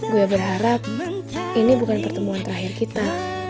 gue berharap ini bukan pertemuan terakhir kita